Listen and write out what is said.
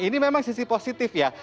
ini memang sisi positif ya